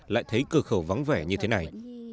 lại thấy cửa khẩu vắng vẻ như thế này